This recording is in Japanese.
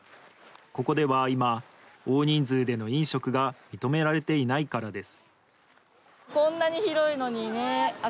ここでは今、大人数での飲食が認められていないからです。